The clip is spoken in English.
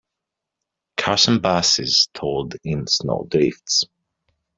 Cars and busses stalled in snow drifts.